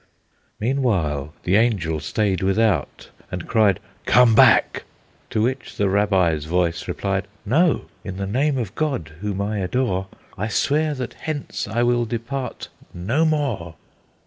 Meanwhile the Angel stayed without, and cried, "Come back!" To which the Rabbi's voice replied, "No! in the name of God, whom I adore, I swear that hence I will depart no more!"